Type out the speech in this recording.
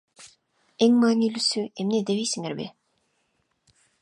Эң маанилүүсү эмне дебейсиңерби?